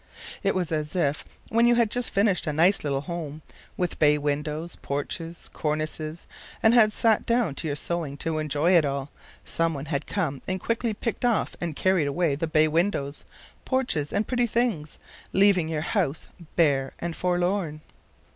It was as if when you had just finished a nice little home, with bay windows, porches and cornices, and had sat down to your sewing to enjoy it all, some one had come and quickly picked off and carried away the bay windows, porches and pretty things, leaving your house bare and forlorn.